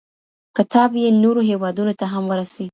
کتاب یې نورو هېوادونو ته هم ورسېد.